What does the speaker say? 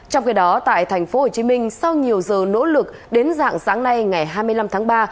trong khi đó tại tp hcm sau nhiều giờ nỗ lực đến dạng sáng nay ngày hai mươi năm tháng ba